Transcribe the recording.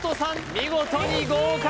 見事に合格